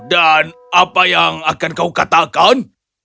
dan apa yang akan kau katakan